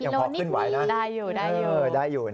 ยังพอขึ้นไว้นะได้อยู่ได้อยู่